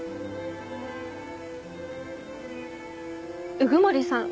鵜久森さん